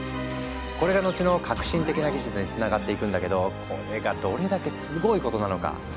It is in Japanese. これがのちの革新的な技術につながっていくんだけどこれがどれだけすごいことなのか。